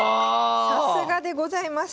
さすがでございます。